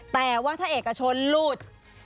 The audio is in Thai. แต่ว่าถ้าเอกชนรูด